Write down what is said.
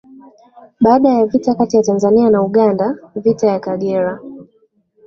baada ya vita kati ya Tanzania na Uganda Vita ya Kagera